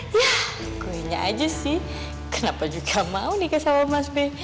ya gue ingat aja sih kenapa juga mau nikah sama mas b